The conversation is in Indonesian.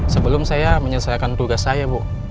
sebelum saya menyelesaikan tugas saya bu